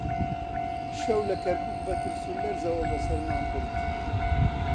شەو لە کەرکووک بە ترس و لەرزەوە بەسەرمان برد